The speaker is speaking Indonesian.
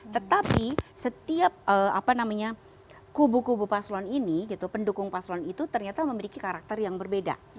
tetapi setiap kubu kubu paslon ini pendukung paslon itu ternyata memiliki karakter yang berbeda